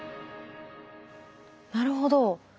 なるほど。